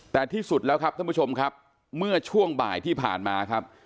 แต่ที่สุดแล้วครับท่านผู้ชมครับเมื่อช่วงบ่ายที่ผ่านมาครับ